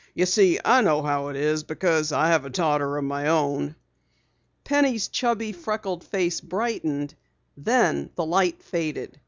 You see, I know how it is because I have a daughter of my own." Penny's chubby, freckled face brightened. Then the light faded.